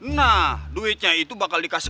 nah duitnya itu bakal dikasih